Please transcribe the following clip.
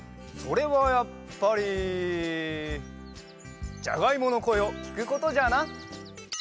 それはやっぱりじゃがいものこえをきくことじゃな。